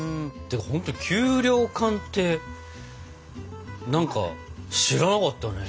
ほんと給糧艦って何か知らなかったね。